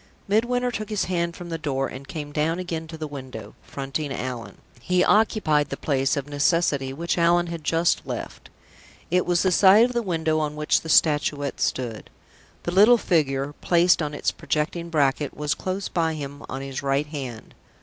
Midwinter took his hand from the door, and came down again to the window, fronting Allan. He occupied the place, of necessity, which Allan had just left. It was the side of the window on which the Statuette stood. The little figure, placed on its projecting bracket, was, close behind him on his right hand.